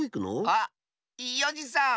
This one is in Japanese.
あっいいおじさん！